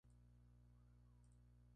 Se trata de la primera película de ambos.